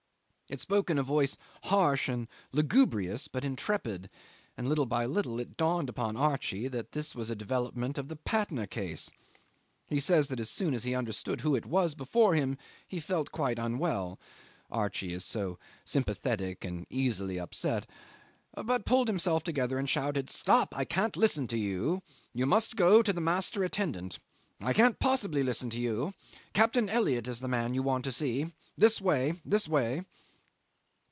It spoke in a voice harsh and lugubrious but intrepid, and little by little it dawned upon Archie that this was a development of the Patna case. He says that as soon as he understood who it was before him he felt quite unwell Archie is so sympathetic and easily upset but pulled himself together and shouted "Stop! I can't listen to you. You must go to the Master Attendant. I can't possibly listen to you. Captain Elliot is the man you want to see. This way, this way."